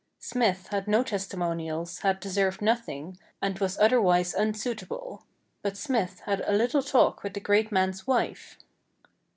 Smith had no testimonials, had deserved nothing, and was otherwise unsuitable. But Smith had a little talk with the great man's wife.